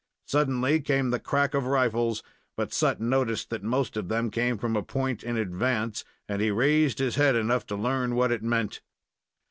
Suddenly came the crack of rifles, but Sut noticed that most of them came from a point in advance, and he raised his head enough to learn what it meant.